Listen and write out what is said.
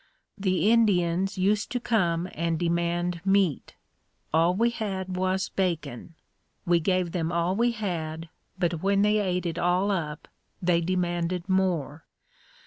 The Indians used to come and demand meat. All we had was bacon. We gave them all we had but when they ate it all up they demanded more.